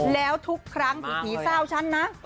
แล้วทุกครั้งผีเศร้าฉันนะ